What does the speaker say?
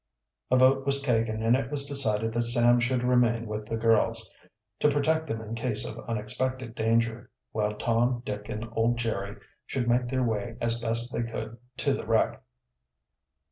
A vote was taken, and it was decided that Sam should remain with the girls, to protect them in case of unexpected danger, while Tom, Dick, and old Jerry should make their way as best they could to the wreck.